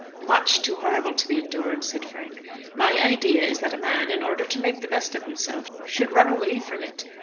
"Much too horrible to be endured," said Frank. "My idea is that a man, in order to make the best of himself, should run away from it.